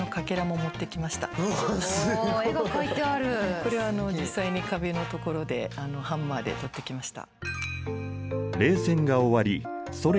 これは実際に壁の所でハンマーでとってきました。